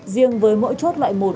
riêng với mỗi chốt loại một